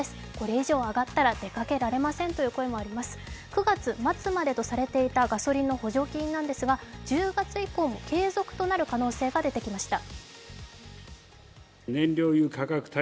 ９月末までとされていたガソリンの補助金なんですが、１０月以降も継続となる可能性が出てきました。